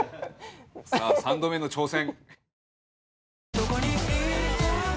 さぁ３度目の挑戦。